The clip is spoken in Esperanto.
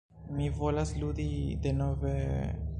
Mi volas ludi... denove...